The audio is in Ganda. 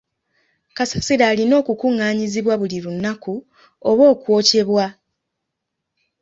Kasasiro alina okukungaanyizibwa buli lunaku oba okwokyebwa.